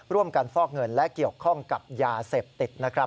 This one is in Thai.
ฟอกเงินและเกี่ยวข้องกับยาเสพติดนะครับ